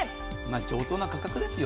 上等な価格ですよ。